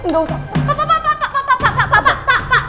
gak usah pak pak pak pak pak pak pak